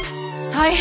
大変！